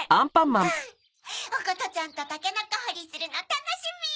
うん！おことちゃんとたけのこほりするのたのしみ！